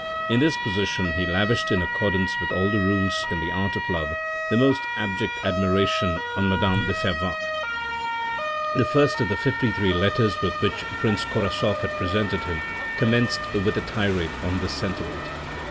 In this position he lavished in accordance with all the rules in the art of love, the most abject admiration on madame de Fervaques. The first of the 53 letters with which Prince Korasoff had presented him commenced with a tirade on this sentiment.